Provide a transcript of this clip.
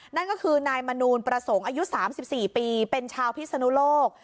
นั่นก็คือนายมานูลประสงค์อายุสามสิบสี่ปีเป็นชาวพิสนุโลก